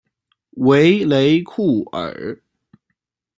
维雷库尔。